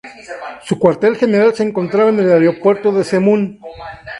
Su cuartel general se encontraba en el Aeropuerto de Zemun.